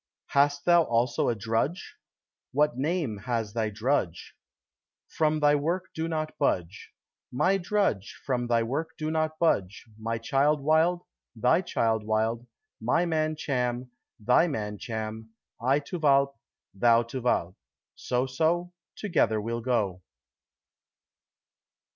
"Hast thou also a drudge? what name has thy drudge?" "From thy work do not budge." "My drudge, From thy work do not budge: my child Wild, thy child Wild; my man Cham, thy man Cham; I to Walpe, thou to Walpe; so, so, together we'll go."